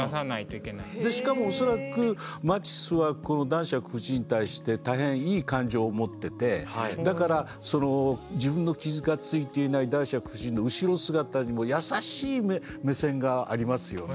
しかも恐らくマティスはこの男爵夫人に対して大変いい感情を持っててだからその自分の傷がついていない男爵夫人の後ろ姿にも優しい目線がありますよね。